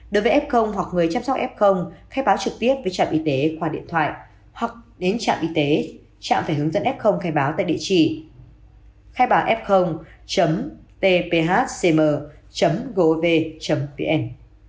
đối với f hoặc người chăm sóc f khai báo trực tiếp với trạm y tế qua điện thoại hoặc đến trạm y tế trạm phải hướng dẫn f khai báo tại địa chỉ khai báo fcm gov vn